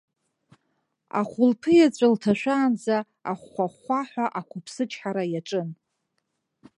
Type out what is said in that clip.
Ахәылԥыеҵәа лҭашәаанӡа ахәхәахәхәаҳәа ақәыԥсычҳара иаҿын.